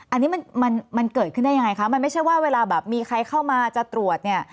อันนี้มันมันเกิดขึ้นได้ยังไงคะมันไม่ใช่ว่าเวลาแบบมีใครเข้ามาจะตรวจเนี่ย